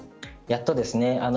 やっとですね。